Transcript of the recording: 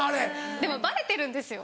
でもバレてるんですよ。